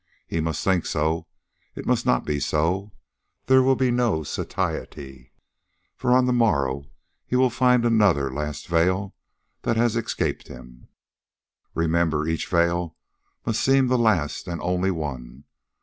He must think so. It must not be so. Then there will be no satiety, for on the morrow he will find another last veil that has escaped him. "Remember, each veil must seem the last and only one.